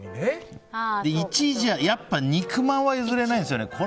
やっぱ肉まんは譲れないんですよね。